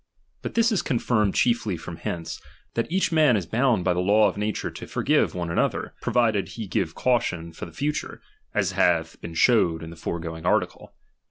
But this is confirmed chiefly from hence, that each man is bound by the law of na tnre to forgive one another, provided he give cau tion for the future, as hath been showed in the foregoing article.